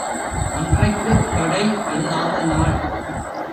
அன்றைக்குக்கடை இல்லாத நாள்.